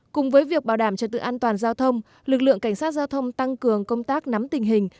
cùng với việc bảo đảm trật tự an toàn giao thông lực lượng cảnh sát giao thông tăng cường công tác nắm tình hình